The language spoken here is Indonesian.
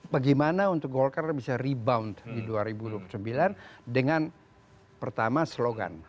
bagaimana untuk golkar bisa rebound di dua ribu dua puluh sembilan dengan pertama slogan